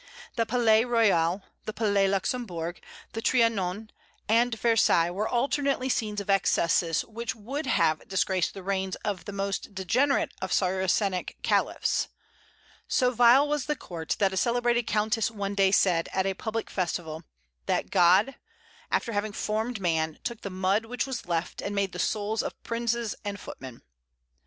The Palais Royal, the Palais Luxembourg, the Trianon, and Versailles were alternately scenes of excesses which would have disgraced the reigns of the most degenerate of Saracenic caliphs. So vile was the court, that a celebrated countess one day said, at a public festival, that "God, after having formed man, took the mud which was left, and made the souls of princes and footmen."